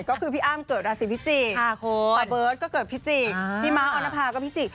ก็คือพี่อ้ำเกิดราศีพิจิกตะเบิร์ตก็เกิดพิจิกพี่ม้าออนภาก็พิจิ